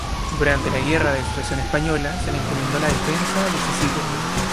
Durante la Guerra de Sucesión Española se le encomendó la defensa de Sicilia.